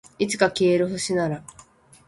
いつか消える星なら